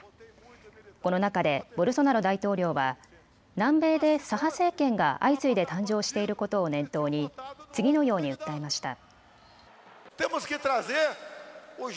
この中でボルソナロ大統領は南米で左派政権が相次いで誕生していることを念頭に次のように訴えました。